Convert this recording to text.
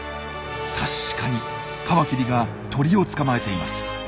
確かにカマキリが鳥を捕まえています。